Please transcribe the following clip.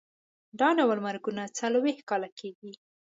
دا ډول مرګونه څلوېښت کاله کېږي.